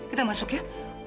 kita masuk ya